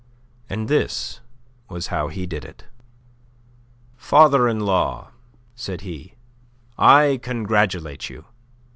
And this was how he did it: "Father in law," said he, "I congratulate you.